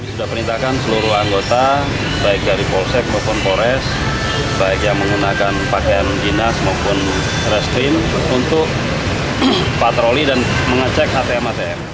sudah perintahkan seluruh anggota baik dari polsek maupun polres baik yang menggunakan pakaian dinas maupun restrim untuk patroli dan mengecek atm atm